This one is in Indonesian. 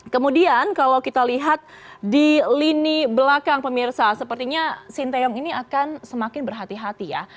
kemudian kalau kita lihat di lini belakang pemirsa sepertinya sinteyong ini akan semakin berhati hati ya